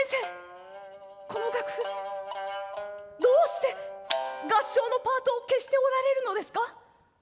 この楽譜どうして合唱のパートを消しておられるのですか？」。